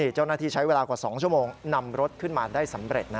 เจ้าหน้าที่ใช้เวลากว่า๒ชั่วโมงนำรถขึ้นมาได้สำเร็จ